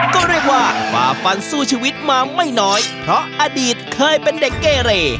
ก็เรียกว่าฝ่าฟันสู้ชีวิตมาไม่น้อยเพราะอดีตเคยเป็นเด็กเกเร